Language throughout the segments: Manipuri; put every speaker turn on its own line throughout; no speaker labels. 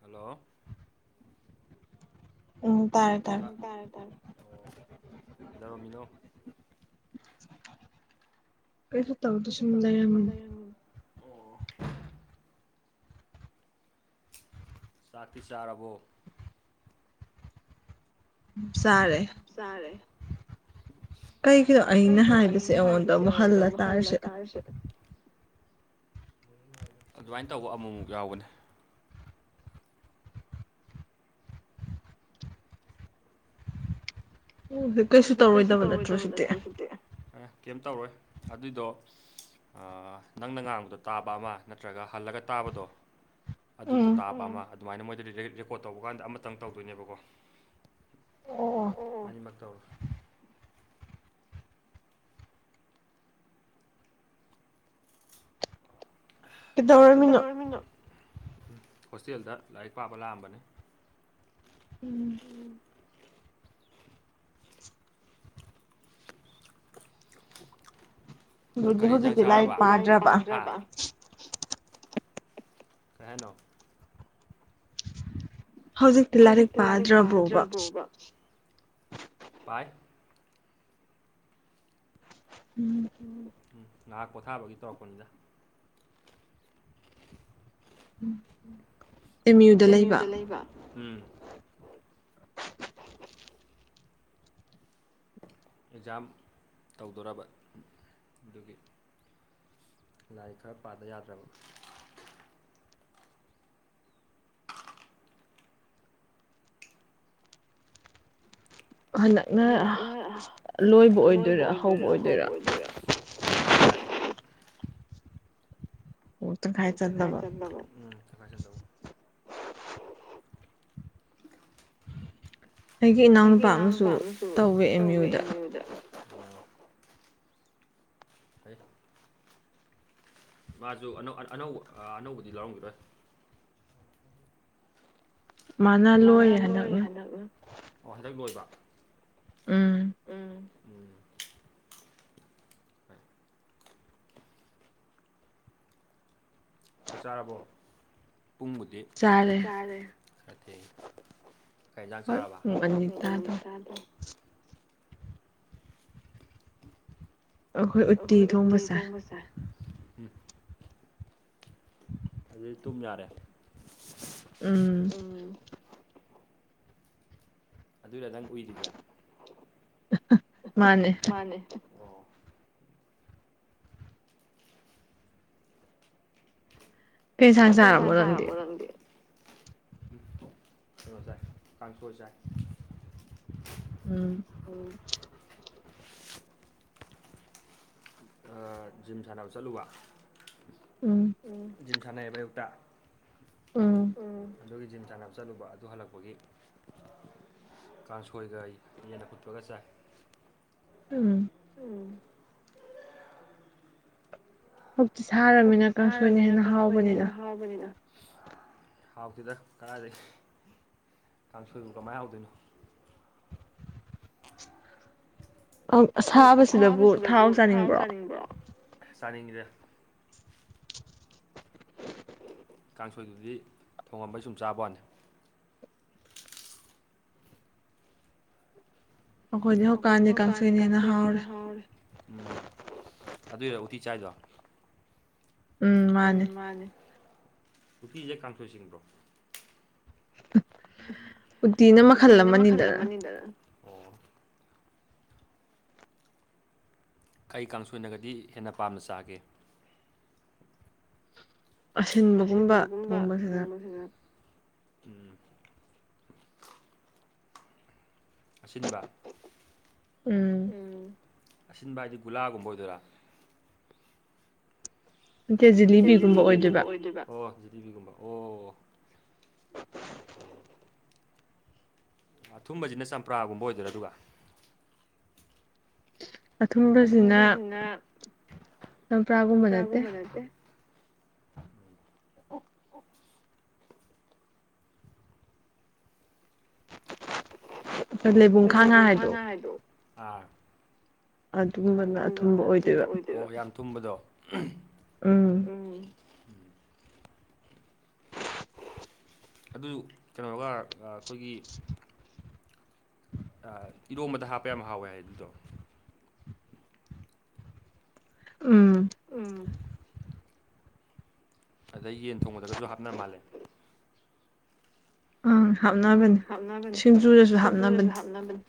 ꯍꯜꯂꯣ
ꯎꯝ ꯇꯥꯔꯦ ꯇꯥꯔꯦ
ꯇꯥꯔꯦ ꯇꯥꯔꯦ, ꯑꯣ ꯀꯩꯗꯧꯔꯝꯃꯤꯅꯣ
ꯀꯩꯁꯨ ꯇꯧꯗꯦ ꯁꯨꯝ ꯂꯩꯔꯝꯃꯤꯅꯦ
ꯆꯥꯛꯇꯤ ꯆꯥꯔꯕꯣ
ꯎꯝ ꯆꯥꯔꯦ
ꯆꯥꯔꯦ ꯀꯩꯒꯤꯟ ꯑꯩꯅ ꯍꯥꯏꯕꯁꯤ ꯑꯩꯉꯣꯟꯗ ꯑꯃꯨꯛ ꯍꯜꯂ ꯇꯔꯤꯁꯤ ꯑꯗꯨꯃꯥꯏꯟ ꯇꯧꯕ ꯑꯃꯨꯛ ꯑꯃꯨꯛ ꯌꯥꯎꯕꯅꯤ ꯑꯗꯨ ꯀꯩꯁꯨ ꯇꯧꯔꯣꯏꯗꯕ ꯅꯠꯇ꯭ꯔꯣ ꯁꯤꯗꯤ, ꯎꯝ ꯀꯦꯝ ꯇꯧꯔꯣꯏ ꯑꯗꯨꯏꯗꯣ ꯑꯥ ꯅꯪꯅ ꯉꯥꯡꯕꯗꯣ ꯇꯥꯕ ꯑꯃ ꯅꯠꯇ꯭ꯔꯒ ꯍꯜꯂꯒ ꯇꯥꯕꯗꯣ ꯑꯗꯨꯗꯨ ꯇꯥꯕ ꯑꯃ ꯑꯗꯨꯃꯥꯏꯅ ꯃꯣꯏꯗ ꯔꯦꯀꯣꯠ ꯇꯧꯕ ꯀꯥꯟꯗ ꯑꯃꯇꯪ ꯇꯧꯗꯣꯏꯅꯦꯕꯀꯣ ꯑꯣ! ꯑꯅꯤꯃꯛ ꯇꯧꯔꯣꯏ ꯀꯩꯗꯧꯔꯝꯃꯤꯅꯣ, ꯍꯣꯁꯇꯦꯜꯗ ꯂꯥꯏꯔꯤꯛ ꯄꯥꯕ ꯂꯥꯛꯑꯝꯕꯅꯤ
ꯎꯝ
ꯎꯝ ꯀꯔꯤ ꯏꯟꯟꯖꯥꯡ ꯆꯥꯔꯕ ꯍꯥ, ꯂꯥꯏꯔꯤꯛ ꯄꯥꯗ꯭ꯔꯕ ꯀꯩ ꯍꯥꯏꯅꯣ ꯍꯧꯖꯤꯛꯇꯤ ꯂꯥꯏꯔꯤꯛ ꯄꯥꯗ꯭ꯔꯕꯣꯕ, ꯄꯥꯏ
ꯎꯝ
ꯎꯝ ꯉꯥꯍꯥꯛ ꯄꯣꯊꯥꯕꯒꯤ ꯇꯧꯔꯛꯄꯅꯤꯗ ꯑꯦꯝ꯬ꯌꯨꯗ ꯂꯩꯕ ꯎꯝ ꯑꯦꯛꯖꯥꯝ ꯇꯧꯗꯣꯔꯕ ꯑꯗꯨꯒꯤ ꯂꯥꯏꯔꯤꯛ ꯈꯔ ꯄꯥꯗ ꯌꯥꯗ꯭ꯔꯕ ꯍꯟꯗꯛꯅ ꯂꯣꯏꯕ ꯑꯣꯏꯗꯣꯏꯔ ꯍꯧꯕ ꯑꯣꯏꯗꯣꯏꯔ ꯇꯪꯈꯥꯏ ꯑꯣ ꯇꯪꯈꯥꯏ ꯆꯜꯂꯥꯕ ꯎꯝ ꯇꯪꯈꯥꯏ ꯆꯟꯗꯧꯕ ꯑꯩꯒꯤ ꯏꯅꯥꯎ ꯅꯨꯄꯥ ꯑꯃꯁꯨ ꯇꯧꯋꯦ ꯑꯦꯝ꯬ꯌꯨꯗ ꯑꯣ ꯑꯦ ꯃꯥꯁꯨ ꯑꯅꯧ ꯑꯅꯧꯕ ꯑꯅꯧꯕꯗꯤ ꯂꯧꯔꯝꯒꯤꯔꯣꯏ ꯃꯥꯅ ꯂꯣꯏꯔꯦ ꯍꯟꯗꯛꯅ, ꯑꯣ ꯍꯟꯗꯛ ꯂꯣꯏꯕ
ꯎꯝ
ꯎꯝ ꯎꯝ ꯆꯥꯛ ꯆꯥꯔꯕꯣ ꯄꯨꯡꯕꯨꯗꯤ ꯆꯥꯔꯦ ꯈꯔ ꯊꯦꯡꯉꯦ, ꯀꯩ ꯏꯟꯖꯥꯡ ꯆꯥꯔꯕ [unintelligible] ꯇꯥꯗꯦ
ꯑꯈꯣꯏ ꯎꯠꯇꯤ ꯊꯣꯡꯕ‌ ꯆꯥꯏ
ꯎꯝ ꯑꯗꯨꯗꯤ ꯇꯨꯝ ꯌꯥꯔꯦ ꯎꯝ ꯑꯗꯨꯏꯔ ꯅꯪ ꯎꯏꯔꯤꯖꯁꯦ ꯑꯦ
ꯃꯥꯅꯦ
ꯃꯥꯅꯦ ꯀꯩ ꯏꯟꯁꯥꯡ ꯆꯥꯔꯕ ꯅꯪꯗꯤ ꯎꯝ ꯀꯩꯅꯣ ꯆꯥꯏ ꯀꯥꯡꯁꯣꯏ ꯆꯥꯏ
ꯎꯝ
ꯑꯣ ꯑꯥ ꯖꯤꯝ ꯁꯥꯟꯅꯕ ꯆꯠꯂꯨꯕ ꯎꯝ ꯖꯤꯝ ꯁꯥꯟꯅꯩꯕ ꯑꯌꯨꯛꯇ ꯎꯝ ꯑꯗꯨꯒꯤ ꯖꯤꯝ ꯁꯥꯟꯅꯕ ꯆꯠꯂꯨꯕ ꯑꯗꯨ ꯍꯜꯂꯛꯄꯒꯤ ꯀꯥꯡꯁꯣꯏꯒ ꯌꯦꯟ ꯑꯐꯨꯠꯄꯒ ꯆꯥꯏ
ꯎꯝ
ꯎꯝ
ꯍꯧꯖꯤꯛꯇꯤ ꯁꯥꯔꯃꯤꯅ ꯀꯥꯡꯁꯣꯏꯅ ꯍꯦꯟꯅ ꯍꯥꯎꯕꯅꯤꯗ
ꯍꯥꯎꯕꯅꯤꯗꯥ ꯍꯥꯎꯇ‌ꯦꯗ ꯀꯗꯥꯥꯏꯗꯒꯤ ꯀꯥꯡꯁꯣꯏꯕꯨ ꯀꯃꯥꯏꯅ ꯍꯥꯎꯗꯣꯏꯅꯣ ꯑꫭ ꯑꯁꯥꯕꯁꯤꯗꯕꯨ ꯊꯥꯎ ꯆꯥꯅꯤꯡꯕ꯭ꯔꯣ ꯆꯥꯅꯤꯡꯏꯗ ꯀꯥꯡꯁꯣꯏꯗꯨꯗꯤ ꯊꯣꯡꯉꯝꯕꯩ ꯁꯨꯝ ꯆꯥꯕ ꯋꯥꯅꯤ ꯑꯩꯈꯣꯏꯗꯤ ꯍꯧꯀꯥꯟꯗꯤ ꯀꯥꯡꯁꫭꯏꯅ ꯍ‌ꯦꯟꯅꯥ ꯍꯥꯎꯔ‌ꯦ ꯎꯝ ꯑꯗꯨꯏꯔꯥ ꯎꯇꯤ ꯆꯥꯏꯗꯣ ꯎꯝ ꯃꯥꯅꯦ ꯎꯇꯤꯁꯦ ꯀꯥꯡꯁꯣꯏ ꯆꯤꯡꯕ꯭ꯔꯣ
ꯎꯇꯤꯅ ꯃꯈꯜ ꯑꯃꯅꯤꯃꯅꯤꯗꯅ
[unintelligible] ꯑꯣ ꯀꯩ ꯀꯥꯡꯁꫭꯏꯅꯒꯗꯤ ꯍꯦꯟꯅ ꯄꯥꯝꯅ ꯆꯥꯒꯦ ꯑꯁꯤꯟꯕꯒꯨꯝꯕ ꯊꯣꯡꯕꯁꯤꯅ ꯎꯝ ꯑꯁꯤꯟꯕ ꯎꯝ ꯑꯁꯤꯟꯕ ꯍꯥꯏꯗꯤ ꯒꯨꯂꯥꯒꯨꯝꯕ ꯑꯣꯏꯗꯣꯏꯔꯥ ꯅꯠꯇ‌ꯦ ꯖꯤꯕꯤꯒꯨꯝꯕ ꯑꯣꯏꯗꯣꯏꯗ ꯑꯣ ꯖꯤꯂꯤꯕꯤꯒꯨꯝꯕ ꯑꯣ ꯑꯊꯨꯝꯕꯁꯤꯅ ꯆꯝꯄ꯭ꯔꯥꯒꯨꯝꯕ ꯑꯣꯏꯗꯣꯏꯔꯥ ꯑꯗꯨꯒ
ꯑꯊꯨꯝꯕꯁꯤꯅ ꯆꯝꯄ꯭ꯔꯥꯒꯨꯝꯕ ꯅꯠꯇꯦ
ꯅꯠꯇ‌ꯦ
ꯑꯣ [unintelligible]
ꯂꯩꯕꯨꯡ ꯈꯥꯡꯉꯥ ꯍꯥꯏꯗꯣ ꯑꯥ ꯑꯗꯨꯒꯨꯝꯕꯗꯨꯕ ꯥꯊꯨꯝꯕꯥ ꯑꯣꯏꯗ ꯑꫭ ꯌꯥꯝ ꯊꯨꯝꯕꯗꯣ
ꯎꯝ
ꯎꯝ ꯑꯗꯨ ꯀꯩꯅꫭꯔꯒ ꯑꯥ ꯑꯩꯈꯣꯏꯒꯤ ꯑꯥ ꯏꯔꯣꯝꯕꯗ ꯍꯥꯞꯄ ꯌꯥꯝ ꯍꯥꯎꯋꯦ ꯍꯥꯏ ꯑꯗꯨꯗꯣ
ꯎꯝ
ꯎꯝ ꯑꯗꯩ ꯌꯦꯟ ꯊꯣꯡꯕꯗꯒꯁꯨ ꯍꯥꯞꯅ ꯃꯥꯜꯂꯦ
ꯎꯝ ꯍꯥꯞ
ꯎꯝ ꯍꯥꯞꯅꯕꯅꯤ ꯁꯤꯡꯖꯨꯗꯁꯨ ꯍꯥꯞꯅꯕꯅꯤ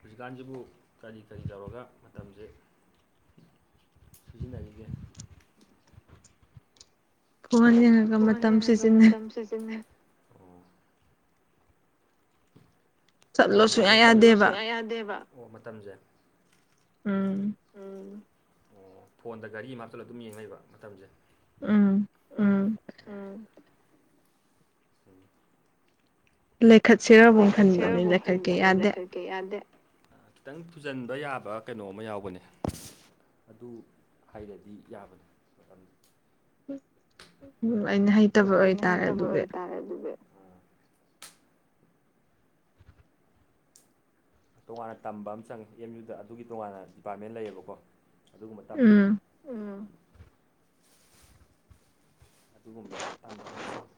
ꯍꯧꯖꯤꯛꯀꯥꯟꯁꯤꯕꯨ ꯀꯔꯤ ꯀꯔꯤ ꯇꯧꯔꯒ ꯃꯇꯝꯁꯦ ꯁꯤꯖꯤꯟꯅꯔꯤꯒꯦ
ꯐꯣꯟ ꯌꯦꯡꯉꯒ ꯃꯇꯝ ꯁꯤꯖꯤꯟꯅꯩ
ꯁꯤꯖꯤꯟꯅꯩ ꯐꯣꯟꯁꯦ ꯑꯩꯈꯣꯏ ꯁꯨꯡꯌꯥ ꯌꯥꯗꯦꯕ ꯑꯣ ꯃꯇꯝꯁꯦ
ꯎꯝ
ꯎꯝ ꯑꯣ ꯐꯣꯟꯗ ꯒꯥꯔꯤ ꯑꯃꯥ ꯍꯥꯞꯆꯜꯂ ꯑꯗꯨꯝ ꯌꯦꯡ ꯂꯩꯕ ꯃꯇꯝꯁꯦ
ꯎꯝ ꯎꯝ
ꯂꯩꯈꯠ ꯁꯤꯔꯕꯨ ꯈꯟꯕꯅꯤ ꯂꯩꯥꯈꯠ ꯀ‌ꯦ ꯌꯥꯗꯦ ꯈꯤꯇꯪ ꯊꯨꯖꯟꯕ ꯌꯥꯕ ꯀꯩꯅꯣ ꯑꯃꯥ ꯌꯥꯎꯕꯅꯦ ꯑꯗꯨ ꯍꯥꯏꯔꯗꯤ ꯌꯥꯕꯅꯤ ꯃꯇꯝ ꯑꯩꯅ ꯍꯩꯇꯕ ꯑꯣꯏꯇꯥꯔꯦ ꯑꯗꯨꯗꯤ ꯇꯣꯉꯥꯟꯅ ꯇꯝꯕ ꯑꯃ ꯆꯪꯉꯦ ꯑꯦꯝ ꯌꯨꯗ ꯑꯗꯨꯒꯤ ꯇꯣꯉꯥꯟꯅ ꯗꯤꯄꯥꯔꯠꯃꯦꯟ ꯂꯩꯌꯦꯕꯀꯣ ꯑꯗꯨꯒꯨꯝꯕ ꯇꯝꯕꯒꯤ ꯎꯝ ꯑꯗꯨꯒꯨꯝꯕ ꯇꯝꯕ ꯑꯃ ꯆꯡꯏ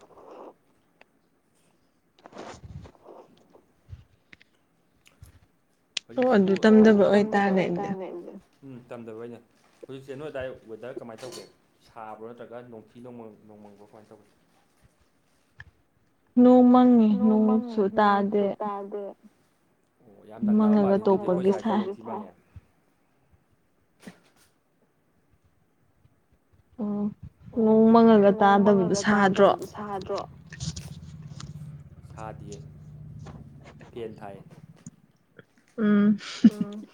ꯍꯧꯖꯤꯛꯁꯤꯕꯨ ꯑꯣ ꯑꯗꯨ ꯇꯝꯗꯕꯒꯤ ꯑꯣꯏꯇꯥꯔꯦ ꯎꯝ ꯇꯝꯗꯕꯩꯅꯦ ꯍꯧꯖꯤꯛꯁꯦ ꯅꯣꯏ ꯑꯗꯥꯏ ꯋꯦꯗꯔ ꯀꯃꯥꯏꯅ ꯇꯧꯒꯦ ꯁꯥꯕ꯭ꯔꯥ ꯅꯠꯇ꯭ꯔꯒ ꯅꯣꯡꯊꯤ ꯅꯣꯡꯃ ꯅꯣꯡꯃꯪꯕ꯭ꯔꯣ ꯀꯃꯥꯏꯅ ꯇꯧꯕꯁꯦ
ꯅꯣꯡ ꯃꯡꯉꯤ ꯅꯣꯡꯁꯨ ꯇꯥꯗꯦ
ꯇꯥꯗꯦ
ꯃꯪꯉꯥꯒ ꯇꯣꯛꯄꯒꯤ ꯁꯥꯏ
ꯍꯣꯏꯅꯦ
ꯎꯝ ꯅꯣꯡ ꯃꯪꯉꯥꯒ ꯇꯥꯗꯕꯗꯣ ꯁꯥꯗ꯭ꯔꯣ
ꯁꯥꯗ꯭ꯔꯣ ꯁꯥꯗꯤꯌꯦ ꯐꯦꯟ ꯊꯥꯏꯌꯦ
ꯎꯝ
ꯎꯝ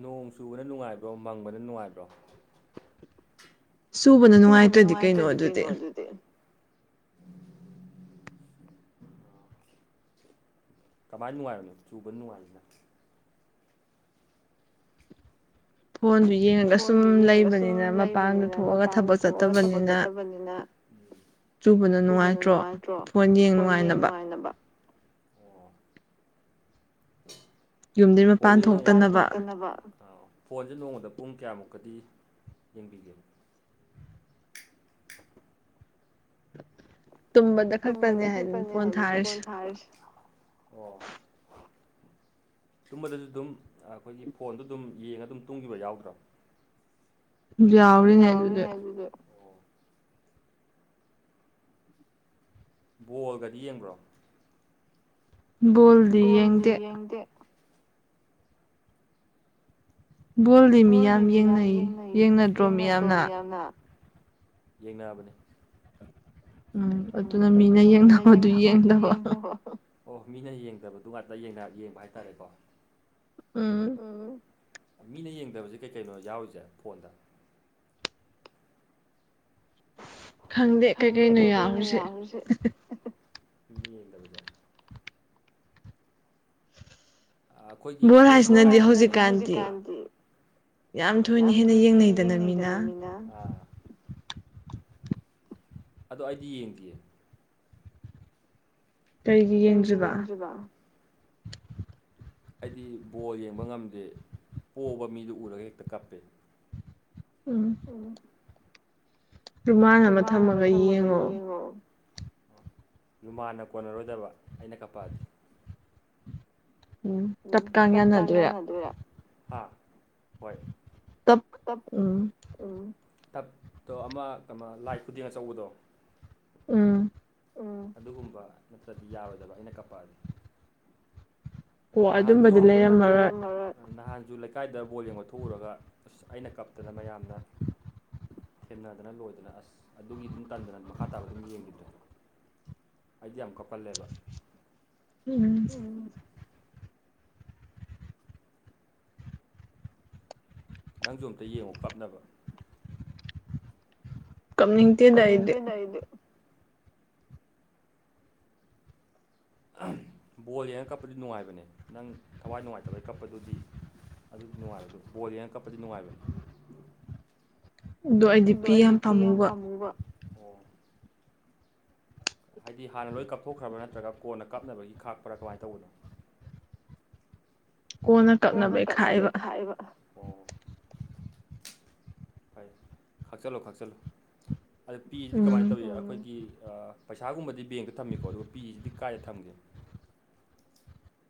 ꯅꯣꯡ ꯆꯨꯕꯅ ꯅꯨꯡꯉꯥꯏꯕ꯭ꯔꯣ ꯃꯪꯕꯅ ꯅꯨꯡꯉꯥꯏꯕ꯭ꯔꯣ
ꯆꯨꯕꯥꯅ ꯅꯨꯡꯉꯥꯏꯇ꯭ꯔꯗꯤ ꯀꯩꯅꯣ ꯑꯗꯨꯗꯤ
ꯀꯃꯥꯏꯅ ꯅꯨꯡꯉꯥꯏꯕꯅꯣ ꯆꯨꯕ ꯅꯨꯡꯉꯥꯏꯔꯤꯁꯤꯅ ꯐꯣꯟꯗꯨ ꯌꯦꯡꯉꯒ ꯁꯨꯝ ꯂꯩꯕꯅꯤꯅ ꯃꯄꯥꯟꯗ ꯊꯣꯛꯑꯒ ꯊꯕꯛ ꯆꯠꯇꯕꯅꯤꯅ ꯆꯨꯕꯥꯅ ꯅꯨꯡꯉꯥꯏꯇ꯭ꯔꯣ ꯐꯣꯟ ꯌꯦꯡ ꯅꯨꯡꯉꯥꯏꯅꯕ ꯎꯂꯤ ꯃꯄꯥꯟ ꯊꯣꯛꯇꯅꯕ ꯐꯣꯟꯁꯦ ꯅꯣꯡꯃꯗ ꯄꯨꯡ ꯀꯌꯥꯃꯨꯛꯀꯗꯤ ꯌꯦꯡꯕꯤꯒꯦ ꯇꯨꯝꯕꯗ ꯈꯛꯇꯥꯅꯦ ꯍꯥꯏꯕꯅꯤ ꯐꯣꯟ ꯊꯥꯔꯤꯁꯦ ꯇꯨꯝꯕꯗꯁꯨ ꯑꯗꯨꯝ ꯑꯩꯈꯣꯏꯒꯤ ꯐꯣꯟꯗꯣ ꯑꯗꯨꯝ ꯌꯦꯡꯉꯥꯒ ꯑꯗꯨꯝ ꯇꯨꯝꯈꯤꯕ ꯌꯥꯎꯗ꯭ꯔꯣ
ꯌꯥꯎꯔꯤꯅꯦ ꯑꯗꯨꯁꯨ
ꯑꯗꯨꯒ ꯕꯣꯜꯒꯗꯤ ꯌꯦꯡꯕ꯭ꯔꯣ
ꯕꯣꯜꯗꯤ ꯌꯦꯡꯗꯦ
ꯕꯣꯜꯗꯤ ꯃꯤꯌꯥꯝ ꯌꯦꯡꯅꯩ ꯌꯦꯡꯅꯗ꯭ꯔꯣ ꯃꯤꯌꯥꯝꯅ ꯌꯦꯡꯅꯕꯅꯦ ꯎꯝ ꯑꯗꯨꯅ ꯃꯤꯅ ꯌꯦꯡꯅꯕꯗꯣ ꯌꯦꯡꯗꯅꯕ ꯑꯣ ꯃꯤꯅ ꯌꯦꯡꯗꯕꯗꯨꯉꯥꯛꯇꯥ ꯌꯦꯡꯕ ꯍꯥꯏꯇꯥꯔꯦꯀꯣ
ꯎꯝ
ꯎꯝ ꯃꯤꯅ ꯌꯦꯡꯗꯕꯁꯦ ꯀꯩ ꯀꯩꯅꯣ ꯌꯥꯎꯔꯤꯁꯦ ꯐꯣꯟꯗ ꯈꯪꯗꯦ ꯀꯩꯀꯩꯅꯣ ꯌꯥꯝꯔꯤꯁꯦ ꯃꯤꯅ ꯌꯦꯡꯗꯕꯁꯦ ꯂꯣꯟ ꯍꯥꯏꯁꯤꯅꯗꯤ ꯍꯧꯖꯤꯛꯀꯥꯟꯒꯤ ꯌꯥꯝ ꯊꯨꯅ ꯍꯦꯟꯅ ꯌꯦꯡꯅꯩꯗꯅ ꯃꯤꯅ ꯑꯗꯣ ꯑꯩꯗꯤ ꯌꯦꯡꯗꯤꯌꯦ
ꯀꯔꯤꯒꯤ ꯌꯦꯡꯗ꯭ꯔꯤꯕ
[inaudible] ꯑꯩꯗꯤ ꯕꯣꯜ ꯌꯦꯡꯕ ꯉꯝꯗꯦ ꯄꯣꯕꯥ ꯃꯤꯗꯣ ꯎꯔꯒ ꯍꯦꯛꯇ ꯀꯞꯄꯦ
ꯎꯝ
ꯎꯝ ꯍꯨꯃꯥꯜ ꯑꯃ ꯊꯝꯃꯒ ꯌꯦꯡꯉꯣ ꯍꯨꯃꯥꯟꯅ ꯀꯣꯟꯅꯔꯣꯏꯗꯕ ꯑꯩꯅ ꯀꯞꯄꯛꯑꯗꯤ ꯎꯝ ꯇꯞꯀꯥꯟ ꯌꯥꯅꯗꯣꯏꯔ ꯥ ꯍꯥ ꯍꯣꯏ
ꯇꯞ ꯎꯝ
ꯎꯝ ꯊꯞꯇꯣ ꯑꯃ ꯀꯃ ꯂꯥꯏ ꯈꯨꯗꯦꯡ ꯑꯆꯧꯕꯗꯣ
ꯎꯝ
ꯎꯝ ꯑꯗꯨꯒꯨꯝꯕ ꯅꯠꯇ꯭ꯔꯗꯤ ꯌꯥꯔꯣꯏꯗꯕ ꯑꯩꯅ ꯀꯞꯄꯛꯑꯗꯤ ꯅꯍꯥꯟꯖꯨ ꯑꯣ ꯑꯗꯨꯝꯕꯗꯤ ꯂꯩꯔꯝꯃꯔꯣꯏ ꯅꯍꯥꯟꯖꯨ ꯂꯩꯀꯥꯏꯗ ꯕꯣꯜ ꯌꯦꯡꯕ ꯊꯣꯛꯎꯔꯒ ꯑꯁ ꯑꯩꯅ ꯀꯞꯇꯅ ꯃꯌꯥꯝꯅ ꯊꯦꯝꯅꯗꯅ ꯂꯣꯏꯗꯅ ꯑꯁ ꯑꯗꯨꯒꯤ ꯑꯗꯨꯝ ꯇꯟꯗꯅ ꯃꯈꯥ ꯇꯥꯕ ꯑꯗꯨꯝ ꯌꯦꯡꯒꯤꯗ꯭ꯔꯦ ꯑꯩꯗꯤ ꯌꯥꯝ ꯀꯞꯀꯜꯂꯦꯕ
ꯎꯝ
ꯅꯪꯖꯨ ꯑꯝꯇ ꯌꯦꯡꯉꯣ ꯀꯞꯅꯕ
ꯀꯞꯅꯤꯡ
ꯀꯞꯅꯤꯡꯇꯦꯗ ꯑꯩꯗꯤ ꯕꯣꯜ ꯌꯦꯡꯉ ꯀꯞꯄꯗꯤ ꯅꯨꯡꯉꯥꯏꯕꯅꯦ ꯅꯪ ꯊꯋꯥꯏ ꯅꯨꯡꯉꯥꯏꯇꯕꯩ ꯀꯞꯄꯗꯨꯗꯤ ꯑꯗꯨꯗꯤ ꯅꯨꯡꯉꯥꯏꯕꯗꯨ ꯕꯣꯜ ꯌꯦꯡꯉ ꯀꯞꯄꯗꯤ ꯅꯨꯡꯉꯥꯏꯕꯅꯤ
ꯑꯗꯣ ꯑꯩꯗꯤ ꯄꯤ ꯌꯥꯝ ꯄꯥꯝꯃꯨꯕ
ꯑꯣ ꯍꯥꯏꯗꯤ ꯍꯥꯟꯅ ꯂꯣꯏ ꯀꯞꯊꯣꯛꯈ꯭ꯔꯕ ꯅꯠꯇ꯭ꯔꯒ ꯀꯣꯟꯅ ꯀꯞꯅꯕꯒꯤ ꯈꯥꯛꯄꯔꯥ ꯀꯃꯥꯏꯟ ꯇꯧꯕꯅꯣ ꯀꯣꯟꯅ ꯀꯞꯅꯕꯩ ꯈꯥꯛꯏꯕ ꯐꯩ ꯈꯥꯛꯆꯜꯂꯣ ꯈꯥꯛꯆꯜꯂꯣ ꯑꯗꯣ ꯄꯤꯖꯤꯗꯤ ꯀꯃꯥꯏꯟ ꯇꯧꯏ ꯑꯩꯈꯣꯏꯒꯤ ꯑ ꯄꯩꯁꯥꯒꯨꯝꯕꯗꯤ ꯕꯦꯡꯇ ꯊꯝꯃꯤꯀꯣ ꯑꯗꯨꯒ ꯄꯤꯖꯤꯗꯤ ꯀꯥꯏꯗ ꯊꯝꯒꯦ